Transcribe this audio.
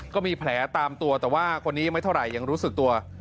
ก็มีแผลตามตัวแต่ว่าคนนี้ไม่เท่าไหร่ยังรู้สึกตัว